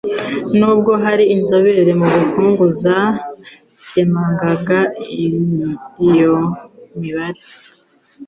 nubwo hari inzobere mu bukungu zakemangaga iyo mibare.